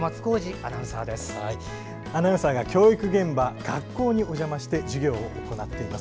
アナウンサーが教育現場、学校にお邪魔して授業を行っています。